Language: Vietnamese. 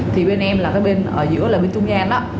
thì bên em là cái bên ở giữa là bên trung gian đó